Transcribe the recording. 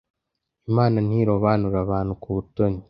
Imana ntirobanura abantu ku butoni.